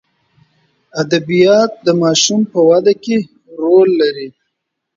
ادبیات د ماشوم په وده کې رول لري.